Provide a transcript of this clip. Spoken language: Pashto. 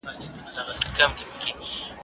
کتابتونونه بايد په هر کلي کي جوړ سي.